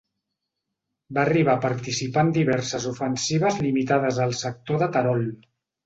Va arribar a participar en diverses ofensives limitades al sector de Terol.